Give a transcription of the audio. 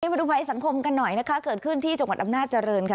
มาดูภัยสังคมกันหน่อยนะคะเกิดขึ้นที่จังหวัดอำนาจเจริญค่ะ